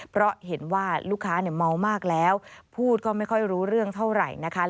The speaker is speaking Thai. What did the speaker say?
เพราะเห็นว่าลูกค้าเมามากแล้วพูดก็ไม่ค่อยรู้เรื่องเท่าไหร่นะคะ